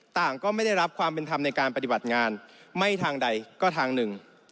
ก็ไม่ได้รับความเป็นธรรมในการปฏิบัติงานไม่ทางใดก็ทางหนึ่ง